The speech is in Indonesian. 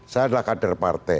saya adalah kader